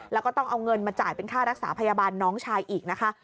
แล้วก็ต้องเอาเงินมาจ่ายเป็นค่ารักษาพยาบาลน้องชายอีกนะคะ